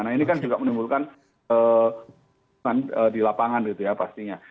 nah ini kan juga menimbulkan di lapangan gitu ya pastinya